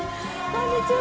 こんにちは。